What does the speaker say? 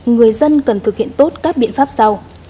người dân cần thực hiện tốt các biện pháp sau